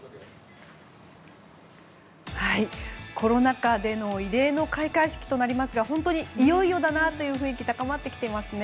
コロナ禍での異例の開会式となりますが本当にいよいよだなという雰囲気高まってきていますね。